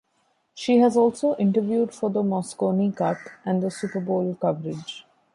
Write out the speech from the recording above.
She has also interviewed for the Mosconi Cup and the Super Bowl coverage.